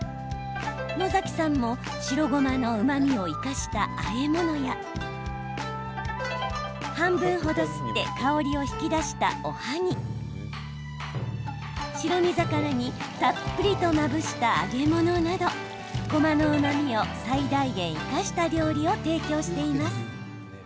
野崎さんも、白ごまのうまみを生かしたあえ物や半分ほどすって香りを引き出した、おはぎ白身魚にたっぷりとまぶした揚げ物などごまのうまみを最大限生かした料理を提供しています。